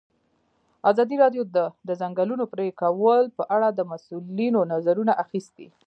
ازادي راډیو د د ځنګلونو پرېکول په اړه د مسؤلینو نظرونه اخیستي.